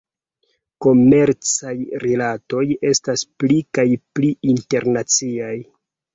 Komercaj rilatoj estas pli kaj pli internaciaj.